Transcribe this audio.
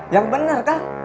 yang bener kak